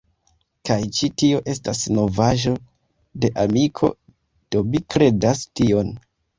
Kaj ĉi tio estas novaĵo de amiko, do mi kredas tion.